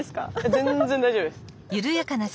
全然大丈夫です。